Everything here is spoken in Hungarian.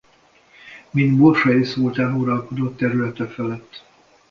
Mint bursai szultán uralkodott területe felett.